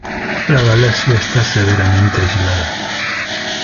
La galaxia está severamente aislada.